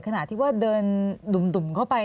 ขณะที่ว่าเดินดุ่มเข้าไป